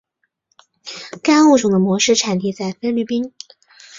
该物种的模式产地在菲律宾。